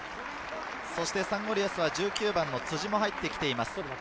サンゴリアスは１９番の辻も入ってきています。